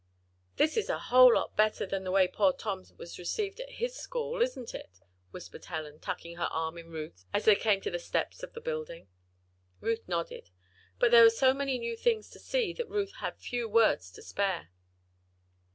"This is a whole lot better than the way poor Tom was received at his school; isn't it?" whispered Helen, tucking her arm in Ruth's as they came to the steps of the building. Ruth nodded. But there were so many new things to see that Ruth had few words to spare.